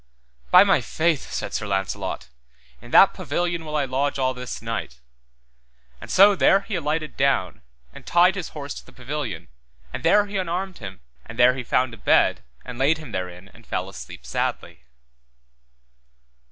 By my faith, said Sir Launcelot, in that pavilion will I lodge all this night, and so there he alighted down, and tied his horse to the pavilion, and there he unarmed him, and there he found a bed, and laid him therein and fell asleep sadly.